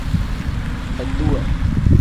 Aduwa.